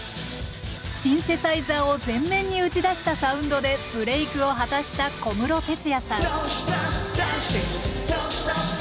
シンセサイザーを前面に打ち出したサウンドでブレークを果たした小室哲哉さん